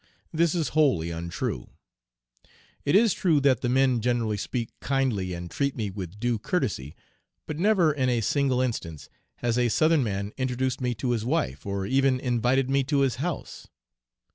This is wholly untrue. It is true that the men generally speak kindly and treat me with due courtesy, but never in a single instance has a Southern man introduced me to his wife or even invited me to his house.